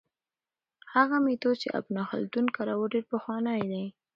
هغه میتود چې ابن خلدون کاروه ډېر پخوانی دی.